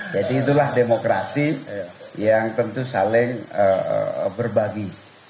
jadi itulah demokrasi yang tentu saling berbagi